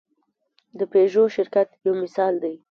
د پيژو شرکت یو مثال دی.